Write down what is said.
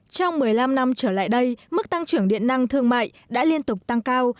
trong một mươi năm năm trở lại đây mức tăng trưởng điện năng thương mại đã liên tục tăng cao